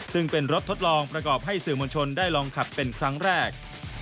ซึ่งเป็นรถทดลองประกอบให้สื่อมวลชนได้ลองขับเป็นครั้งแรก